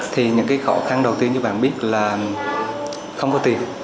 thì những cái khó khăn đầu tiên như bạn biết là không có tiền